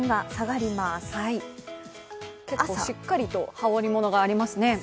結構しっかりと羽織り物がありますね。